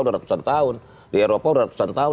udah ratusan tahun di eropa udah ratusan tahun